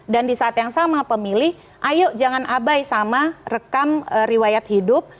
dan di saat yang sama pemilih ayo jangan abai sama rekam riwayat hidup